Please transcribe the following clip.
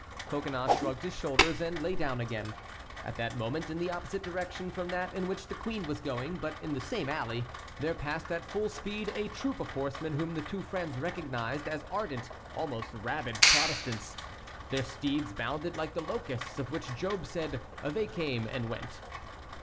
Coconnas shrugged his shoulders and lay down again. At that moment in the opposite direction from that in which the queen was going, but in the same alley, there passed at full speed a troop of horsemen whom the two friends recognized as ardent, almost rabid Protestants. Their steeds bounded like the locusts of which Job said, 'They came and went.'"